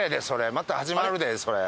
また始まるでそれ。